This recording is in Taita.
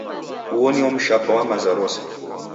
Uo nio mshapa wa maza rose.